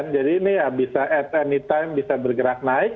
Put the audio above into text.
jadi ini ya bisa at any time bisa bergerak naik